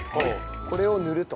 これを塗ると。